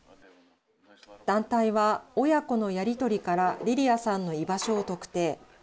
団体は親子のやり取りからリリアさんの居場所を特定。